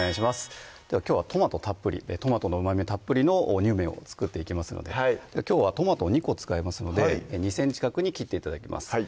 きょうはトマトたっぷりトマトのうまみたっぷりのにゅうめんを作っていきますのできょうはトマトを２個使いますので２ｃｍ角に切って頂きます